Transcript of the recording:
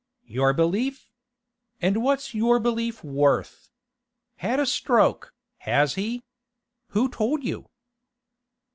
'Your belief! And what's your belief worth? Had a stroke, has he? Who told you?